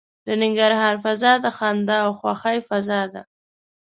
د ننګرهار فضا د خندا او خوښۍ فضا ده.